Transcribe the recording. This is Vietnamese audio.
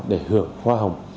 để hưởng hoa hồng